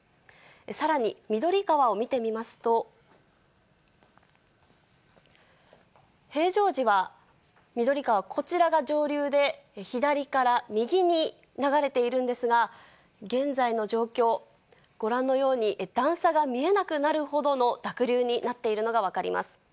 さらに、緑川を見てみますと、平常時は緑川、こちらが上流で、左から右に流れているんですが、現在の状況、ご覧のように段差が見えなくなるほどの濁流になっているのが分かります。